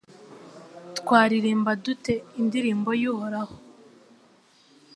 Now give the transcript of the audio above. Twaririmba dute indirimbo y’Uhoraho